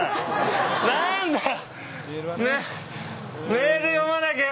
何だよ！